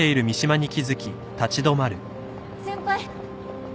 先輩！